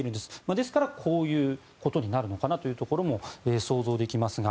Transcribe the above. ですから、こういうことになるのかなというところも想像できますが。